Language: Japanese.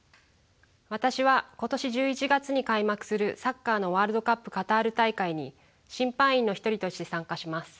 私は今年１１月に開幕するサッカーのワールドカップカタール大会に審判員の一人として参加します。